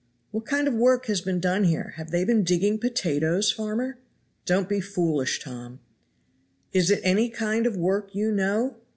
"What kind of work has been done here? have they been digging potatoes, farmer?" "Don't be foolish, Tom." "Is it any kind of work you know?